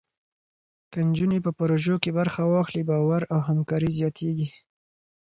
که نجونې په پروژو کې برخه واخلي، باور او همکاري زیاتېږي.